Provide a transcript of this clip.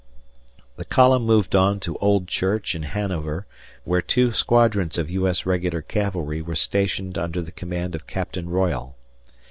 The column moved on to Old Church in Hanover where two squadrons of U. S. regular cavalry were stationed under the command of Captain Royall.